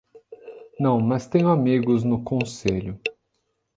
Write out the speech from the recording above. Não, mas tenho amigos no conselho.